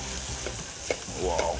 うわ。